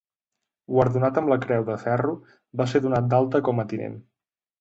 Guardonat amb la Creu de ferro, va ser donat d'alta com a tinent.